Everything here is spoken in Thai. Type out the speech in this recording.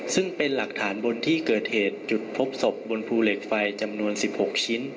ซึ่งเป็นหลักฐานบนที่เกิดเหตุจุดพบศพบนภูเหล็กไฟจำนวน๑๖ชิ้น